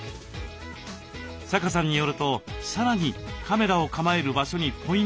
阪さんによるとさらにカメラを構える場所にポイントが。